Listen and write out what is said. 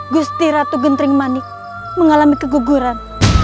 gusti ratu genting manik mengalami keguguran